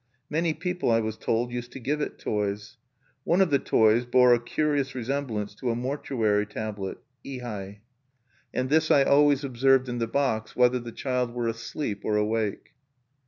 Many people, I was told, used to give it toys. One of the toys bore a curious resemblance to a mortuary tablet (ihai); and this I always observed in the box, whether the child were asleep or awake.